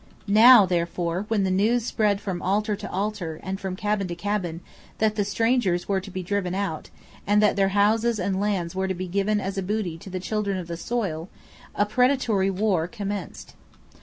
Now therefore, when the news spread from altar to altar, and from cabin to cabin, that the strangers were to be driven out, and that their houses and lands were to be given as a booty to the children of the soil, a predatory war commenced.